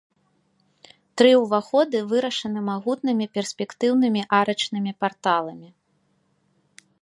Тры ўваходы вырашаны магутнымі перспектыўнымі арачнымі парталамі.